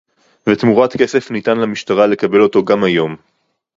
ותמורת כסף ניתן למשטרה לקבל אותו גם היום